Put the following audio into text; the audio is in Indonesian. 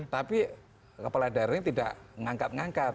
tapi kepala daerah ini tidak mengangkat angkat